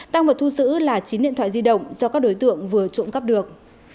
tăng vật thu giữ là chín điện thoại di động do các đối tượng vừa trộm cắp được